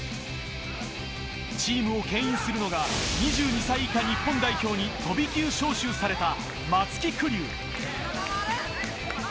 チームをけん引するのは２２歳以下日本代表に飛び級招集された松木玖生。